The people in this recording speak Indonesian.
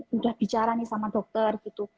sudah bicara nih sama dokter gitu